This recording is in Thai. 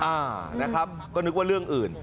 อ่านะครับก็นึกว่าเรื่องอื่น